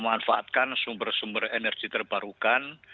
dan memanfaatkan sumber sumber energi terbarukan